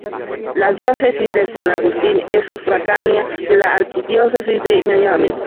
La Diócesis de San Agustín es sufragánea de la Arquidiócesis de Miami.